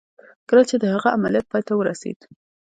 کله چې د هغه عملیات پای ته ورسېد